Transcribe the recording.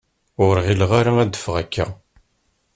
Ur ɣileɣ ara ad d-teffeɣ akka.